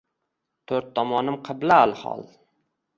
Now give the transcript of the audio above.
Toʼrt tomonim qibla alhol.